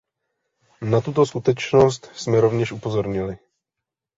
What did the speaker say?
Na tuto skutečnost jsme rovněž upozornili.